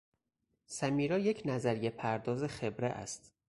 سمیرا یک نظریهپرداز خبره است